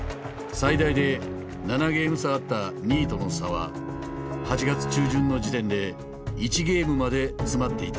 最大で７ゲーム差あった２位との差は８月中旬の時点で１ゲームまで詰まっていた。